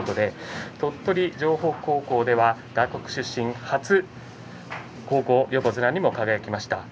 鳥取城北高校では外国出身初高校横綱にも輝きました。